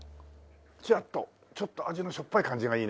チラッとちょっと味のしょっぱい感じがいいね。